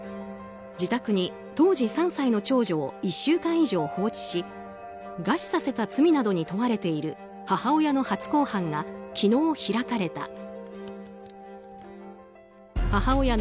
自宅に当時３歳の長女を１週間以上放置し餓死させた罪などに問われている母親の初公判が昨日、開かれた。